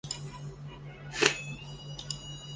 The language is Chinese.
拉约什二世。